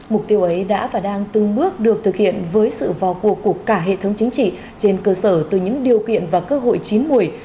mục tiêu ấy đã và đang từng bước được thực hiện với sự vào cuộc của cả hệ thống chính trị trên cơ sở từ những điều kiện và cơ hội chín mùi